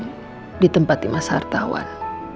dulu ditempati mas hartawan